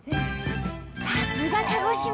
さすが鹿児島！